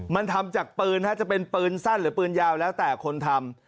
มันทำจากปืนจะเป็นปืนสั้นหรือปืนยาวแล้วแต่คนทำ